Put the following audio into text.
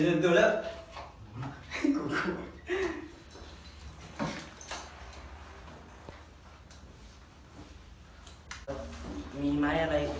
ตอนนี้ก็ไม่มีเวลาให้กลับไปแต่ตอนนี้ก็ไม่มีเวลาให้กลับไป